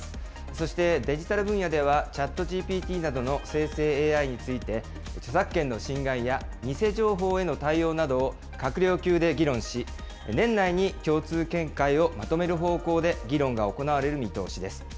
そしてデジタル分野では、ＣｈａｔＧＰＴなどの生成ＡＩについて、著作権の侵害や偽情報への対応などを閣僚級で議論し、年内に共通見解をまとめる方向で議論が行われる見通しです。